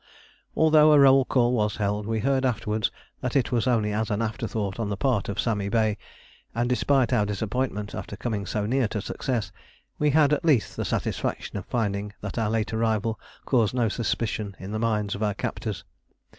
Although a roll call was held, we heard afterwards that it was only as an afterthought on the part of Sami Bey, and despite our disappointment after coming so near to success, we had at least the satisfaction of finding that our late arrival caused no suspicion in the minds of our captors.